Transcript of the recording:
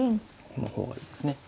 この方がいいですね。